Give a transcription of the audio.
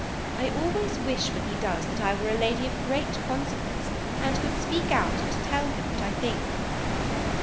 I always wish when he does that I were a lady of great consequence, and could speak out and tell him what I think.